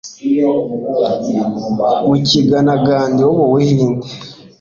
mukigana gadhi wo mu buhinde